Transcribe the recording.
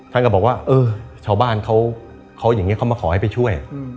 ท่านก็บอกว่าเออชาวบ้านเขาอย่างนี้เขามาขอให้ไปช่วย